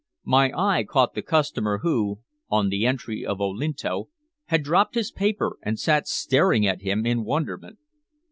My eye caught the customer who, on the entry of Olinto, had dropped his paper and sat staring at him in wonderment.